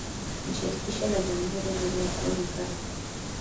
ni shirikisho la jamhuri Mji mkuu ni Caracas